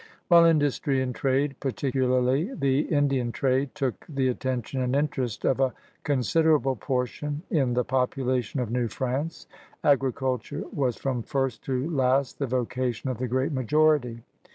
While industry and trade, particularly the In dian trade, took the attention and interest of a considerable portion in the poptdation of New France, agriculture was from first to last the vocation of the great majority.